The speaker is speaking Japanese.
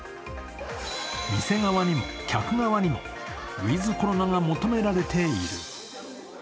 店側にも客側にもウィズ・コロナが求められている。